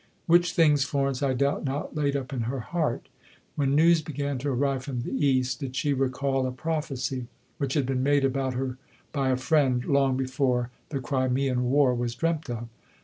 Which things Florence, I doubt not, laid up in her heart. When news began to arrive from the East, did she recall a prophecy which had been made about her by a friend long before the Crimean War was dreamt of?